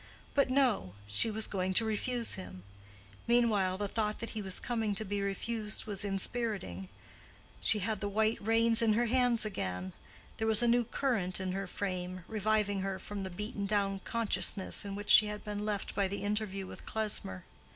But no! she was going to refuse him. Meanwhile, the thought that he was coming to be refused was inspiriting: she had the white reins in her hands again; there was a new current in her frame, reviving her from the beaten down consciousness in which she had been left by the interview with Klesmer.